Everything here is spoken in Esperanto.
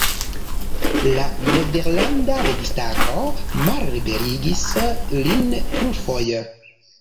La nederlanda registaro malliberigis lin plurfoje.